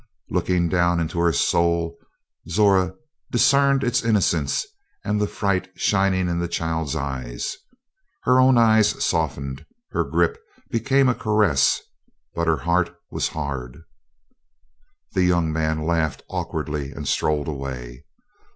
Looking down into her soul, Zora discerned its innocence and the fright shining in the child's eyes. Her own eyes softened, her grip became a caress, but her heart was hard. The young man laughed awkwardly and strolled away.